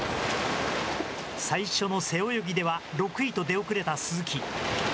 最初の背泳ぎでは６位と出遅れた鈴木。